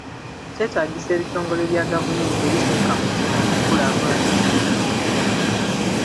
Kyetaagisa ebitongole bya gavumenti ebisukka mu kimu okukulaakulanya ekitundu.